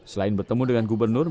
selain bertemu dengan gubernur